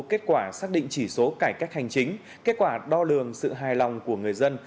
kết quả xác định chỉ số cải cách hành chính kết quả đo lường sự hài lòng của người dân